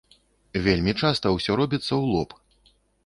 Вельмі часта ўсё робіцца ў лоб.